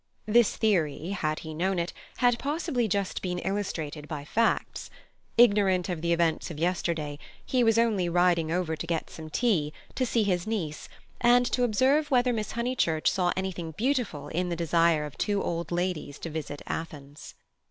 This theory, had he known it, had possibly just been illustrated by facts. Ignorant of the events of yesterday he was only riding over to get some tea, to see his niece, and to observe whether Miss Honeychurch saw anything beautiful in the desire of two old ladies to visit Athens.